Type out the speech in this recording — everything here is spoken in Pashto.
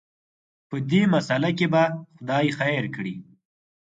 په دې مساله کې به خدای خیر کړي.